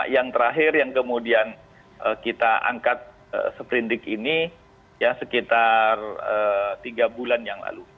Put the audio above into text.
yang terakhir yang kemudian kita angkat seprindik ini ya sekitar tiga bulan yang lalu